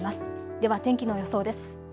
では天気の予想です。